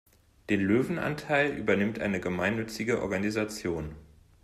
Den Löwenanteil übernimmt eine gemeinnützige Organisation.